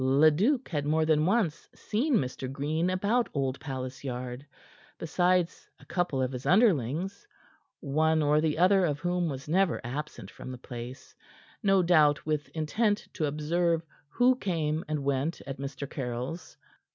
Leduc had more than once seen Mr. Green about Old Palace Yard, besides a couple of his underlings, one or the other of whom was never absent from the place, no doubt with intent to observe who came and went at Mr. Caryll's.